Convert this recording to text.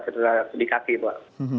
cedera di kaki pak